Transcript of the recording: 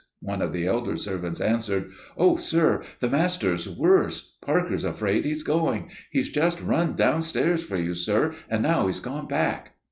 One of the elder servants answered: "Oh sir, the master's worse. Parker's afraid he's going. He's just run downstairs for you, sir; and now he's gone back."